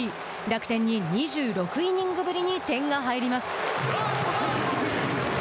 楽天に２６イニングぶりに点が入ります。